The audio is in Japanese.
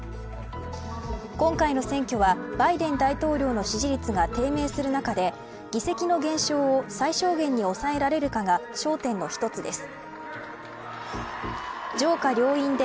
今回の選挙はバイデン大統領の支持率が低迷する中で議席の減少を最小限に抑えられるかが焦点の一つです。